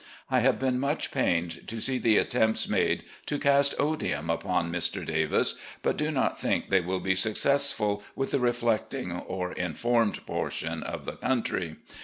I have been much pained to see the attempts made to cast odium upon Mr. Davis, but do not think they will be successful with the reflecting or informed portion of the cotmtry.